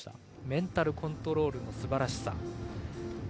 メンタルコントロールのすばらしさ。